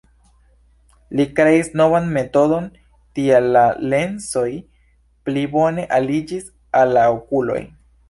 Li kreis novan metodon, tial la lensoj pli bone aliĝis al la okuloj.